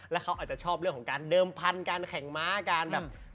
แล้วเขาอาจจะชอบเรื่องของการเดิมพันธุ์การแข่งม้าการแบบ